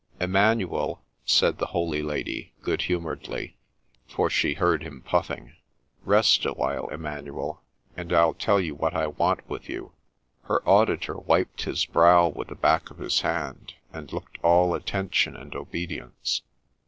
' Emmanuel,' said the holy lady, good humouredly, for she heard him puffing ;' rest awhile, Emmanuel, and I'll tell you what I want with you.' Her auditor wiped his brow with the back of his hand, and looked all attention and obedience.